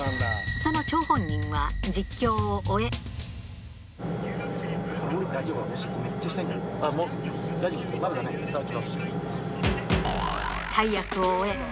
その張本人は、実況を終え。